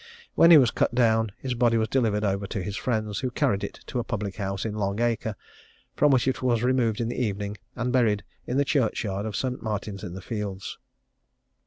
When he was cut down, his body was delivered over to his friends, who carried it to a public house in Long Acre; from which it was removed in the evening, and buried in the church yard of St. Martin's in the Fields.